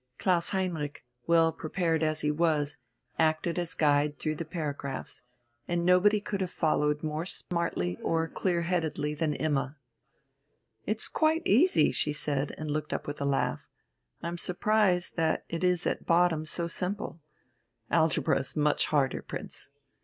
Klaus Heinrich, well prepared as he was, acted as guide through the paragraphs, and nobody could have followed more smartly or clear headedly than Imma. "It's quite easy!" she said and looked up with a laugh. "I'm surprised that it is at bottom so simple. Algebra is much harder, Prince."